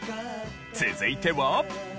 続いては。